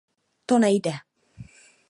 To nejde.